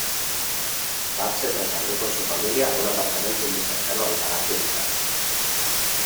Bach se trasladó con su familia a un apartamento muy cercano al palacio ducal.